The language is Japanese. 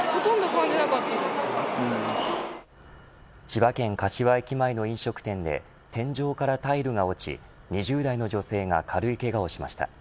千葉県柏駅前の飲食店で天井からタイルが落ち２０代の女性が軽いけがをしました。